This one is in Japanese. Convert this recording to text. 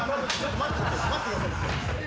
待ってくださいって。